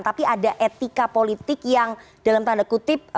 tapi ada etika politik yang dalam tanda kutip